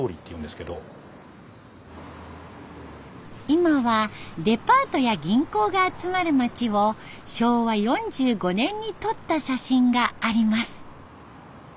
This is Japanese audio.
今はデパートや銀行が集まる町を昭和４５年に撮った写真があります。